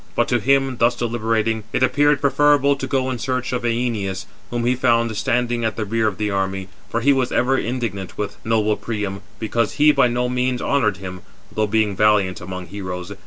But to him, thus deliberating, it appeared preferable to go in search of Æneas; whom he found standing at the rear of the army, for he was ever indignant with noble Priam, because he by no means honoured him, though being valiant among heroes.